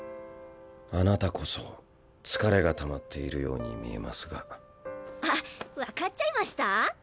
あなたこそ疲れがたまっているようにあっ分かっちゃいました？